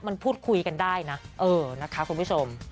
มันพูดคุยกันได้นะเออนะคะคุณผู้ชม